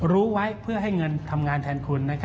รู้ไว้เพื่อให้เงินทำงานแทนคุณ